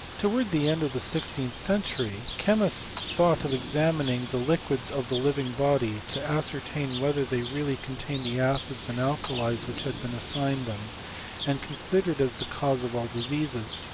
* Towards the end of the sixteenth century, the cho* mists thought of examining the liquids of the liyfaig body, to ascertain whether they really contained thS' acids and alkalies which had been assigned them, and' considered as the cause of all diseases.